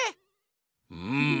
うん。